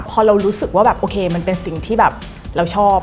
พอเรารู้สึกว่ามันเป็นสิ่งที่เราชอบ